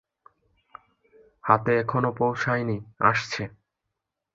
হাতে এখনও পৌঁছায়নি, আসছে।